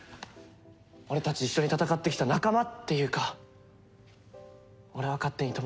俺たち一緒に戦ってきた仲間っていうか俺は勝手に友達だと思ってるから。